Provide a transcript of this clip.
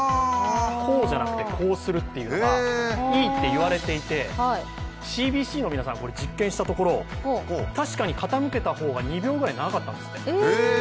こうじゃなくてこうするというのがいいと言われていてＣＢＣの皆さん、実験したところ確かに傾けた方が２秒ぐらい長かったんですって。